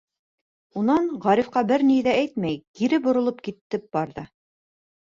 Унан, Ғарифҡа бер ни ҙә әйтмәй, кире боролоп китеп барҙы.